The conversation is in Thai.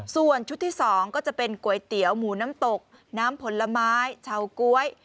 ส่วนชุดที่๒ก็จะเป็นก๋วยเตี๋ยวหมูน้ำตกน้ำผลไม้เชาก๊วย